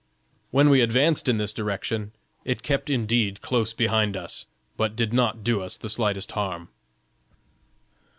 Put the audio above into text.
When we advanced in this direction, it kept indeed close behind us, but did not do us the slightest harm."